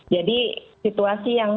jadi situasi yang